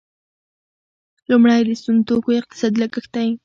لومړی د سون توکو اقتصادي لګښت دی.